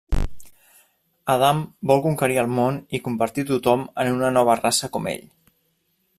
Adam vol conquerir el món i convertir tothom en una nova raça com ell.